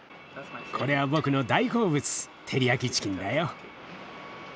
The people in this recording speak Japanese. これは僕の大好物テリヤキチキンだよ。